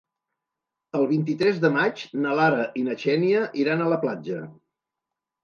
El vint-i-tres de maig na Lara i na Xènia iran a la platja.